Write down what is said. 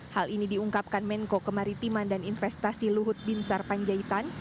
hal ini diungkapkan menko kemaritiman dan investasi luhut binsar panjaitan